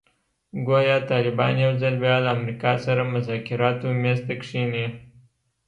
ګویا طالبان یو ځل بیا له امریکا سره مذاکراتو میز ته کښېني.